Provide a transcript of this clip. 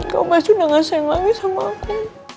kamu pasti udah gak sayang lagi sama aku